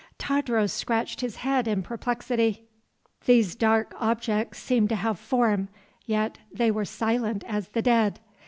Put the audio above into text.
Tadros scratched his head in perplexity. These dark objects seemed to have form, yet they were silent as the dead.